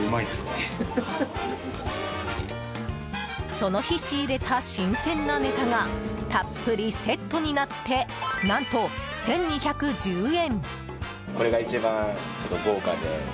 その日仕入れた新鮮なネタがたっぷりセットになって何と１２１０円！